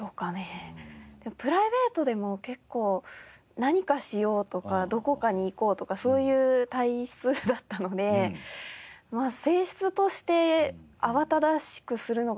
でもプライベートでも結構何かしようとかどこかに行こうとかそういう体質だったので性質として慌ただしくするのが好きなのかもしれないですね。